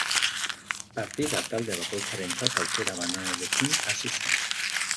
Partida talde bakoitzarentzat aukera banarekin hasi zen.